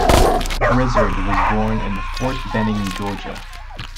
Grizzard was born in Fort Benning, Georgia.